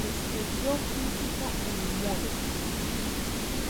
Estudió física en Múnich.